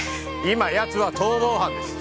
今やつは逃亡犯です